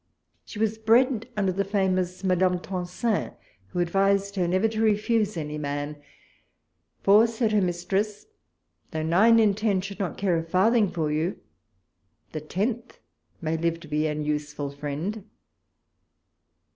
She was bred under the famous Madame Tencin, who advised her never to refuse any man ; for, said her mis tress, though nine in ten should not care a farthing for you, the tenth may live to be an useful friend.